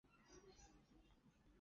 大叶玉兰为木兰科木兰属的植物。